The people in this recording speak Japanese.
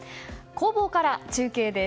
工房から中継です。